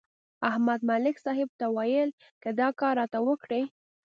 احمد ملک صاحب ته ویل: که دا کار راته وکړې.